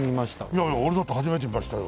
いやいや俺だって初めて見ましたよ。